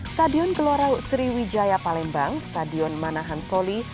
stadion gelora sriwijaya palembang stadion manahan soli